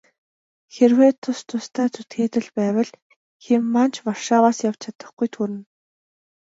Хэрвээ тус тусдаа зүтгээд л байвал хэн маань ч Варшаваас явж чадахгүйд хүрнэ.